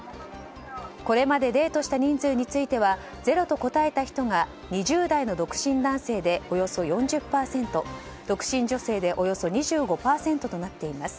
これまでデートした人数についてはゼロと答えた人が２０代の独身男性でおよそ４０％独身女性でおよそ２５％となっています。